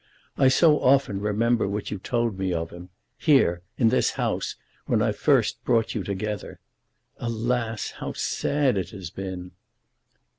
I so often remember what you told me of him, here; in this house, when I first brought you together. Alas, how sad it has been!"